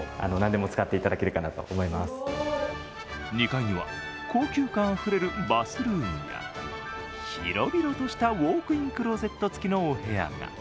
２階には高級感あふれるバスルームや広々としたウォークインクローゼット付きのお部屋が。